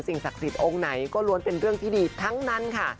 ศักดิ์สิทธิ์องค์ไหนก็ล้วนเป็นเรื่องที่ดีทั้งนั้นค่ะ